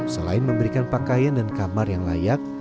selain memberikan pakaian dan kamar yang layak